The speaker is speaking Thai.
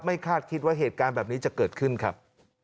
คาดคิดว่าเหตุการณ์แบบนี้จะเกิดขึ้นครับ